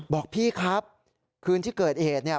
บอกพี่ครับคืนที่เกิดเหตุเนี่ย